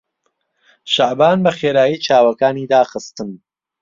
شەعبان بەخێرایی چاوەکانی داخستن.